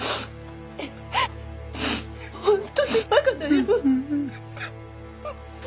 本当にばかだよ。